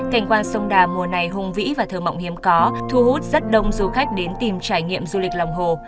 cảnh quan sông đà mùa này hung vĩ và thờ mộng hiếm có thu hút rất đông du khách đến tìm trải nghiệm du lịch lòng hồ